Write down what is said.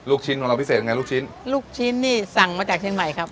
ลูกชิ้นของเราพิเศษยังไงลูกชิ้นลูกชิ้นนี่สั่งมาจากเชียงใหม่ครับ